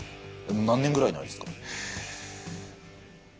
何年ぐらいないですか？